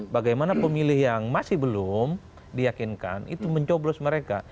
bagaimana pemilih yang masih belum diyakinkan itu mencoblos mereka